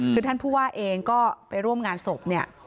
คือท่านผู้ว่าเองก็ไปร่วมงานศพเนี่ย